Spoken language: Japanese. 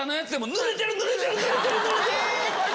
ぬれてる！